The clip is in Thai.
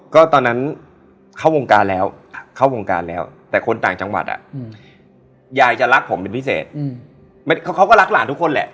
ก็ตอนนั้นเข้าวงการแล้วเข้าวงการแล้วแต่คนต่างจังหวัดยายจะรักผมเป็นพิเศษเขาก็รักหลานทุกคนแหละ